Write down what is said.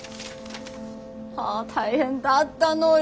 大変だったのよ。